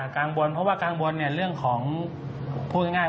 กลางบนเพราะว่ากลางบนเรื่องของพูดง่าย